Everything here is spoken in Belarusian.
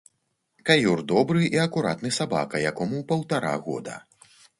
Каюр добры і акуратны сабака, якому паўтара года.